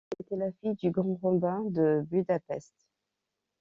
Elle était la fille du Grand-Rabbin de Budapest.